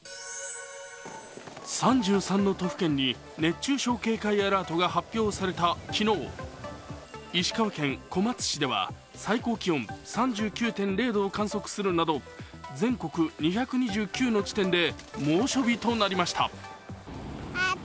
３３の都府県に熱中症警戒アラートが発表された昨日、石川県小松市では最高気温３９．０度を観測するなど全国２２９の地点で猛暑日となりました。